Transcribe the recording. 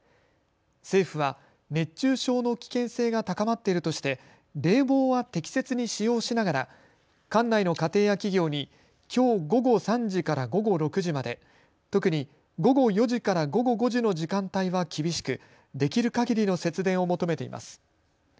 政府は熱中症の危険性が高まっているとして冷房は適切に使用しながら管内の家庭や企業にきょう午後３時から午後６時まで、特に午後４時から午後５時の時間帯は厳しく、できるかぎりの節電を求めています。